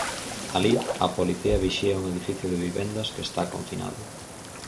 Alí, a policía vixía un edificio de vivendas que está confinado.